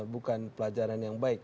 bukan pelajaran yang baik